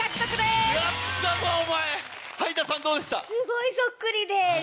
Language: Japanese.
すごいそっくりで。